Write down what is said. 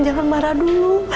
jangan marah dulu